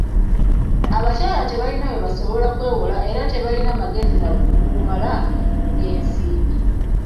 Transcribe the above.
Abakyala tebalina we basobola kwewola era tebalina magezi na bukugu bumala mu by'ensimbi.